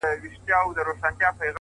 • مړ يې کړم اوبه له ياده وباسم؛